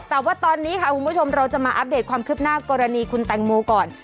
แต่ว่าตอนนี้ค่ะคุณผู้ชมเราจะมาอัปเดตความคืบหน้ากรณีคุณแตงโมก่อน